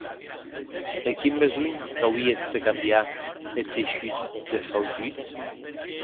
E quin besonh n’auíetz de cambiar eth teishut des fautulhs?